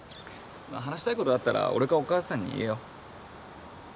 話したいことあったら俺かお母さんに言えよ。